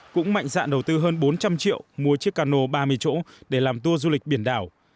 cũng mạnh dạn đầu tư hơn bốn trăm linh triệu mua chiếc cano ba mươi chỗ để làm tour du lịch biển đảo